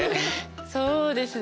そうですね。